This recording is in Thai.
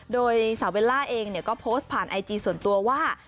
โดยสาวเบลล่าเองก็โพสต์ผ่านไอจีส่วนตัวว่า